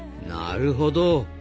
なるほど。